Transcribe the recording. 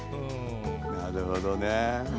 なるほどね。